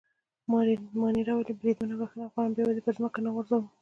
مانیرا وویل: بریدمنه بخښنه غواړم، بیا به دي پر مځکه ونه غورځوو.